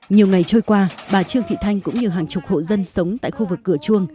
nhiều ngày trôi qua bà trương thị thanh cũng như hàng chục hộ dân sống tại khu vực cửa chuông